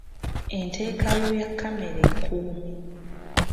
Enteekayo ya kkamera enkuumi.